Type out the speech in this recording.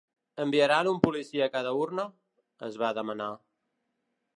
Enviaran un policia a cada urna?, es va demanar.